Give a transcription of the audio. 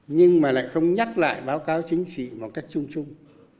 nhưng mà lại không nhắc lại báo cáo chính trị một cách chung chung